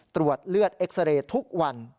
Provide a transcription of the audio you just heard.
ตรวจเลือดเอ็กซาเรย์ทุกวัน